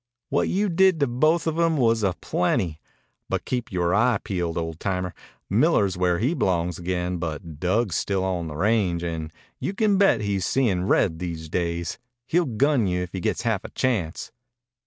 What you did to both of 'em was a plenty. But keep yore eye peeled, old timer. Miller's where he belongs again, but Dug's still on the range, and you can bet he's seein' red these days. He'll gun you if he gets half a chance."